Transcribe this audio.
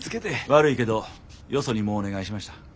悪いけどよそにもうお願いしました。